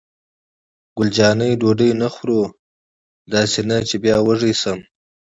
ګل جانې: ډوډۍ نه خورو؟ داسې نه چې بیا وږې شم.